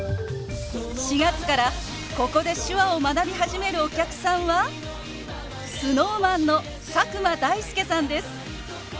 ４月からここで手話を学び始めるお客さんはＳｎｏｗＭａｎの佐久間大介さんです。